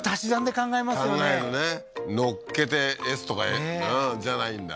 考えるね載っけてＳとかじゃないんだ